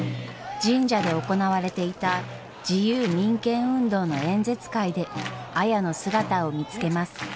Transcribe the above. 神社で行われていた自由民権運動の演説会で綾の姿を見つけます。